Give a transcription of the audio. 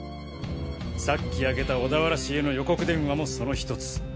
さっきあげた小田原氏への予告電話もそのひとつ。